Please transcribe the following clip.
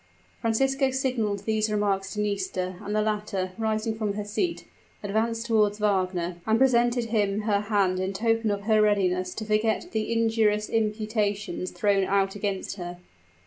Francisco signaled these remarks to Nisida; and the latter, rising from her seat, advanced toward Wagner, and presented him her hand in token of her readiness to forget the injurious imputations thrown out against her.